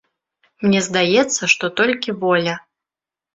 Мне здаецца, што толькі воля.